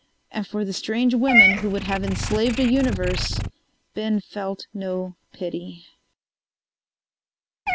And for the strange women who would have enslaved a universe, Ben felt no pity.